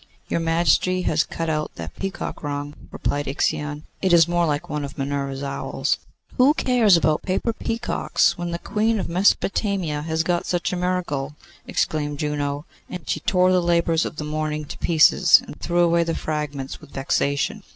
'Your Majesty has cut out that peacock wrong,' remarked Ixion. 'It is more like one of Minerva's owls.' 'Who cares about paper peacocks, when the Queen of Mesopotamia has got such a miracle!' exclaimed Juno; and she tore the labours of the morning to pieces, and threw away the fragments with vexation.